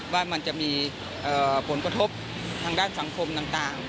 ว่ามันจะมีผลกระทบทางด้านสังคมต่าง